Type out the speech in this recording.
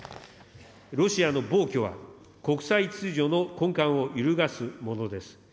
ロシアの暴挙は、国際秩序の根幹を揺るがすものです。